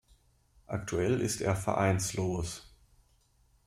Aktuell ist er vereinslos.